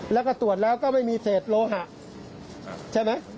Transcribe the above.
แล้วก็ตรวจแล้วก็ไม่มีเศษโลหะใช่ไหม